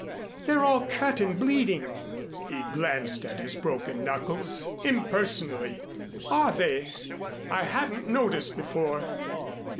"They're all cut and bleeding." He glanced at his broken knuckles impersonally. "Are they? I hadn't noticed before.